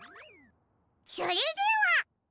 それでは。